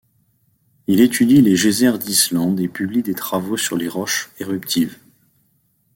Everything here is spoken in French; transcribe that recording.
Il étudie les geysers d'Islande et publie des travaux sur les roches éruptives.